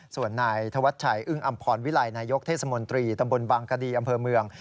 ส่วนนายธวัชชัยอึ้งอำพรวิลัยนายกเทศมนตรีตำบลบางกดีอำเภอเมือง